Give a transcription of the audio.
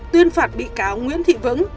tuyên phạt bị cáo nguyễn thị vững